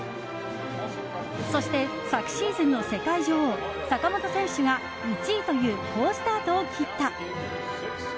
そして昨シーズンの世界女王坂本選手が１位という好スタートを切った。